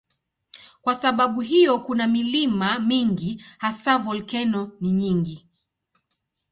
Kwa sababu hiyo kuna milima mingi, hasa volkeno ni nyingi.